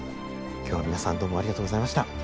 今日は皆さんどうもありがとうございました。